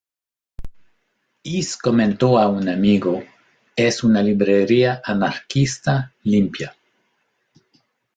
Hiss comentó a un amigo, "Es una librería anarquista limpia".